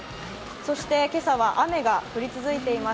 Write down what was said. そして今朝は雨が降り続いています。